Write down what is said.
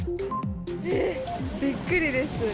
えー！びっくりです。